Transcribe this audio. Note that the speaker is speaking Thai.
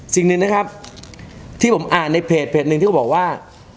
สิ่งหนึ่งนะครับที่ผมอ่านในเพจหนึ่งที่เขาบอกว่า